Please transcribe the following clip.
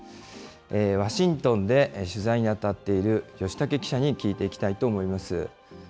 ワシントンで取材に当たっている吉武記者に聞いていきたいと思います。